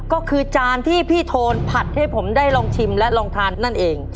ก็คือจานที่พี่โทนผัดให้ผมได้ลองชิมและลองทานนั่นเอง